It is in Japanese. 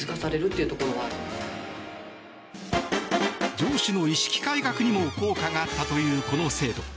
上司の意識改革にも効果があったというこの制度。